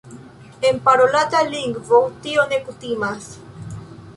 En parolata lingvo tio ne kutimas.